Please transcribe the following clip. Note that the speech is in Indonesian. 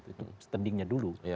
itu standingnya dulu